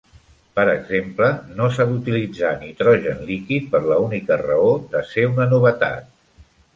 Per exemple, no s'ha d'utilitzar nitrogen líquid per l'única raó de ser una novetat.